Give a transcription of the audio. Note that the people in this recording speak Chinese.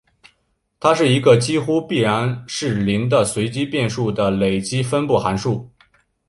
它是一个几乎必然是零的随机变数的累积分布函数。